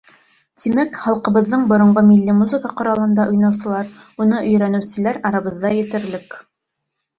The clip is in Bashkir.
Тимәк, халҡыбыҙҙың боронғо милли музыка ҡоралында уйнаусылар, уны өйрәнеүселәр арабыҙҙа етерлек.